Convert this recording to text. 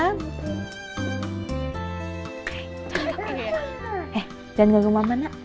eh jangan ganggu mama nak